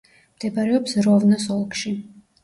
მდებარეობს როვნოს ოლქში.